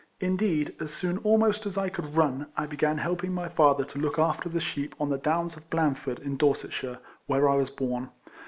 Indeed, as soon almost as I could run, I began helping my father to look after the sheep on the downs of Blandford, in Dorsetshire, where I was born.